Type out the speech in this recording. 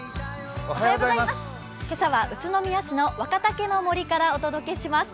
今朝は、宇都宮市の若竹の杜からお届けします。